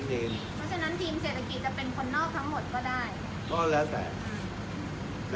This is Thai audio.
ซึ่งแม่ว่าท่านนายกจะเอกไขมา